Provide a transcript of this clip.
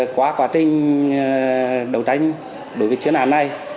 qua quá trình đấu tranh đối với chuyên án này